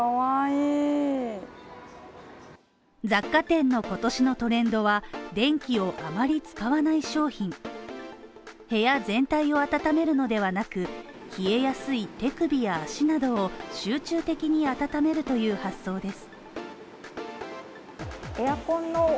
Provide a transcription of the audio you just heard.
雑貨店の今年のトレンドは電気をあまり使わない商品部屋全体を暖めるのではなく冷えやすい手首や足などを集中的に温めるという発想です。